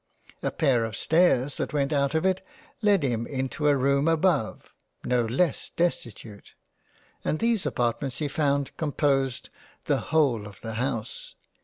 A pair of stairs that went out of it led him into a room above, no less destitute, and these apartments he found composed the whole 139 £ JANE AUSTEN of the House.